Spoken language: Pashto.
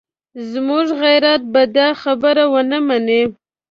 زموږ غیرت به دا خبره ونه مني.